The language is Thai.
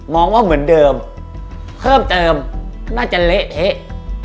ว่าเหมือนเดิมเพิ่มเติมน่าจะเละเทะ